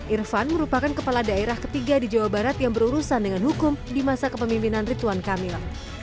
irfan merupakan kepala daerah ketiga di jawa barat yang berurusan dengan hukum di masa kepemimpinan rituan kamil